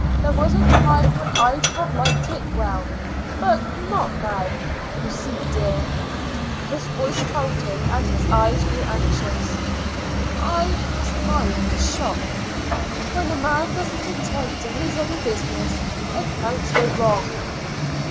There was a time when I'd have liked it well, but not now. You see, dear " his voice faltered and his eyes grew anxious "I must mind the shop. When a man doesn't attend to his own business, accounts go wrong.